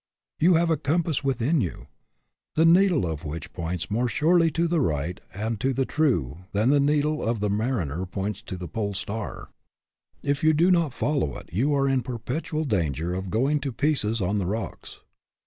You have a compass within you, the needle HAS VOGR VOCATION APPROVAL 123 of which points more surely to the right and to the true than the needle of the mariner points to the pole star. If you do not follow it you are in perpetual danger of going to pieces on the rocks.